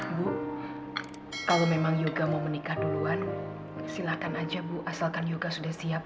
ibu kalau memang yoga mau menikah duluan silahkan aja bu asalkan yoga sudah siap